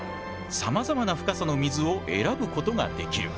さまざまな深さの水を選ぶことができる。